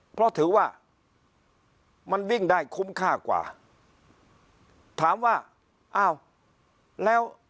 เพราะถือว่ามันวิ่งได้คุ้มค่ากว่าถามว่าอ้าวแล้ว